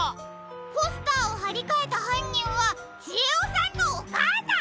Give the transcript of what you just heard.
ポスターをはりかえたはんにんはちえおさんのおかあさん！？